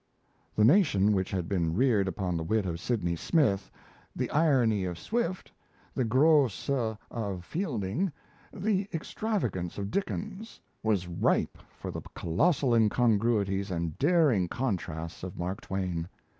The nation which had been reared upon the wit of Sidney Smith, the irony of Swift, the gros sel of Fielding, the extravagance of Dickens, was ripe for the colossal incongruities and daring contrasts of Mark Twain.